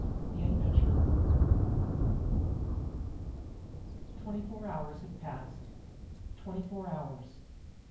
IV. THE ADVENTURER Twenty Four hours had passed. Twenty four hours!